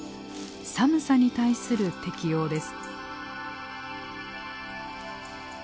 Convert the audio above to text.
寒さに対する適応です。